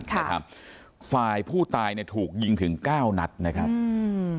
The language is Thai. ค่ะฝ่ายผู้ตายเนี่ยถูกยิงถึงเก้านัดนะครับอืม